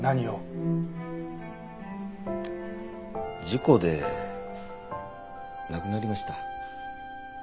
事故で亡くなりました。